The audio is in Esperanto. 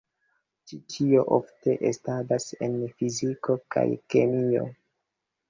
Ĉi tio ofte estadas en fiziko kaj kemio.